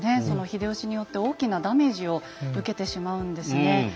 その秀吉によって大きなダメージを受けてしまうんですね。